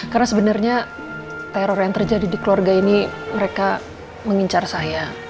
karena sebenarnya teror yang terjadi di keluarga ini mereka mengincar saya